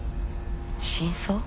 真相？